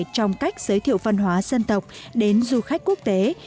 trong cách giới thiệu văn hóa dân tộc đến du khách quốc tế